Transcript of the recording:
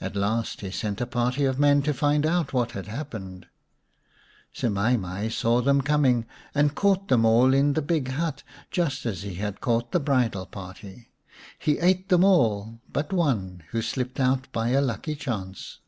At last he sent a party of men to find out what had happened. Semai mai saw them coming, and caught them all in the big hut, just as he had caught the bridal party. He ate them all but one, who slipped out by a lucky chance.